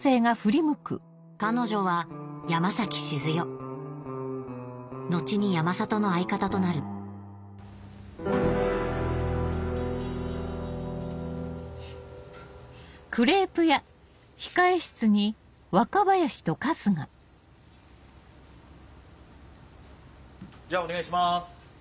彼女は山崎静代後に山里の相方となるじゃあお願いします。